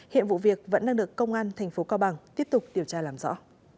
tại vụ việc vẫn đang được công an tp cao bằng tiếp tục điều tra làm rõ